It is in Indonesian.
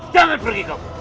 jangan pergi kamu